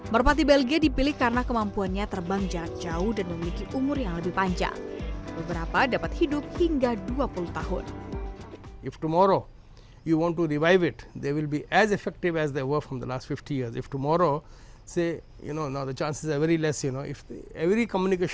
merpati belgia dipilih karena kemampuannya terbang jarak jauh dan memiliki umur yang lebih panjang